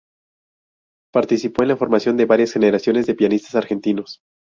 Participó en la formación de varias generaciones de pianistas argentinos.